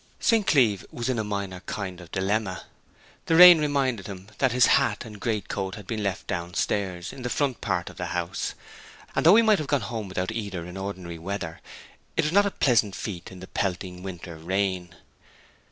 St. Cleeve was in a minor kind of dilemma. The rain reminded him that his hat and great coat had been left downstairs, in the front part of the house; and though he might have gone home without either in ordinary weather it was not a pleasant feat in the pelting winter rain.